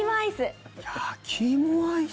焼き芋アイス。